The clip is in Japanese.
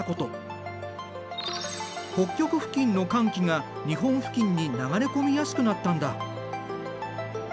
北極付近の寒気が日本付近に流れ込みやすくなったんだ。